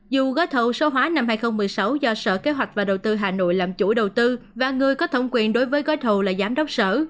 dù gói thầu số hóa năm hai nghìn một mươi sáu do sở kế hoạch và đầu tư hà nội làm chủ đầu tư và người có thẩm quyền đối với gói thầu là giám đốc sở